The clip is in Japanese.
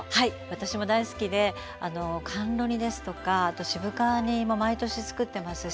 私も大好きで甘露煮ですとか渋皮煮も毎年つくってますし。